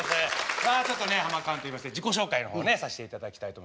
まあちょっとねハマカーンといいまして自己紹介の方をねさせていただきたいと思います。